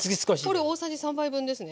これ大さじ３杯分ですね。